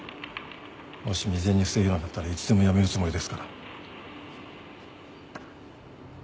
もし未然に防げなかったらいつでも辞めるつもりですから。